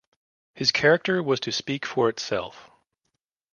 His character was to speak for itself.